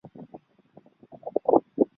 毛黄肉楠为樟科黄肉楠属下的一个种。